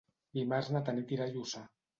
Dimarts na Tanit irà a Lluçà.